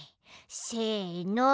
せの。